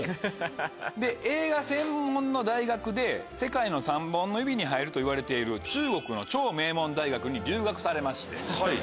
映画専門の大学で世界の三本の指に入るといわれている中国の超名門大学に留学されまして。